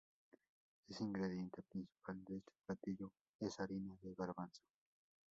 El ingrediente principal de este platillo es harina de garbanzo.